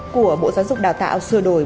của bộ giáo dục đào tạo sửa đổi